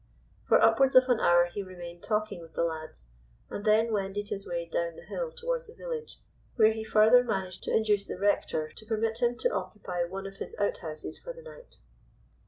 For upwards of an hour he remained talking with the lads, and then wended his way down the hill towards the village, where he further managed to induce the rector to permit him to occupy one of his outhouses for the night.